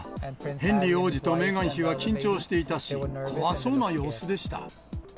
ヘンリー王子とメーガン妃は緊張していたし、怖そうな様子でした。